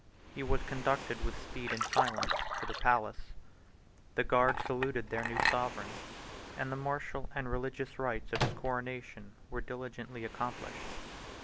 He was conducted with speed and silence to the palace; the guards saluted their new sovereign; and the martial and religious rites of his coronation were diligently accomplished.